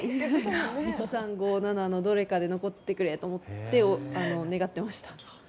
１、３、５、７のどれかで残ってくれって願っていました。